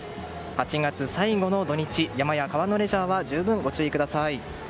８月最後の土日山や川のレジャーは十分、ご注意ください。